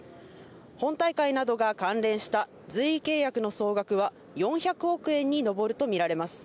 本大会などが関連した随意契約の総額は４００億円に上るとみられます。